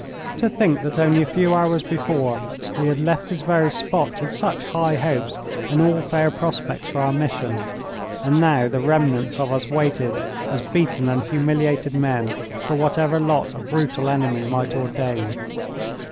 To think that only a few hours before we had left this very spot with such high hopes and all fair prospects for our mission, and now the remnants of us waited as beaten and humiliated men for whatever lot a brutal enemy might ordain!